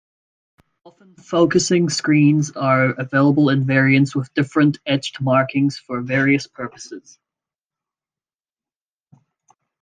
Often, focusing screens are available in variants with different etched markings for various purposes.